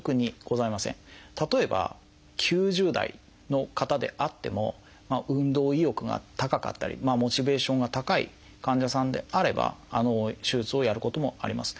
例えば９０代の方であっても運動意欲が高かったりモチベーションが高い患者さんであれば手術をやることもあります。